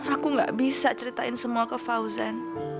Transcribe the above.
aku gak bisa ceritain semua ke fauzan